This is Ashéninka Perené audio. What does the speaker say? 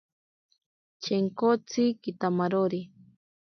Chenkotsi kitamarori.